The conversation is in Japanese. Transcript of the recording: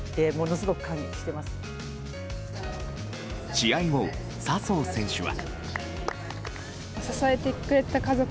試合後、笹生選手は。